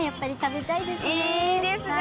いいですね！